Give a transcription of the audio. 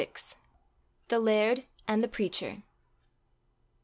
THE LAIRD AND THE PREACHER.